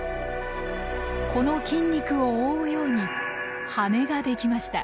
この筋肉を覆うように羽ができました。